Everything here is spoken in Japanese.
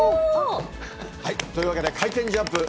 というわけで回転ジャンプ。